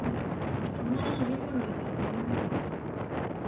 あまり響かないですね。